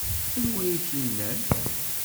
Anwa ay ak-yennan?